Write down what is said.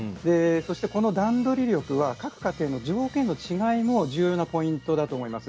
そして段取り力は各家庭の条件のの違いも重要なポイントだと思います。